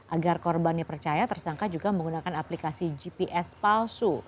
agar korbannya percaya tersangka juga menggunakan aplikasi gps palsu